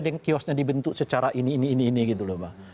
yang kiosnya dibentuk secara ini ini ini gitu loh pak